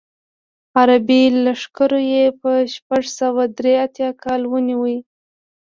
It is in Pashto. عربي لښکرو یې په شپږ سوه درې اتیا کال ونیو.